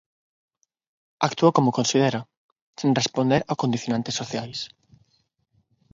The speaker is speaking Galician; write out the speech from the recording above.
Actúa como considera, sen responder a condicionantes sociais.